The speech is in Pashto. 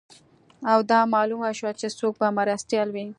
او دا معلومه شوه چې څوک به مرستیال وي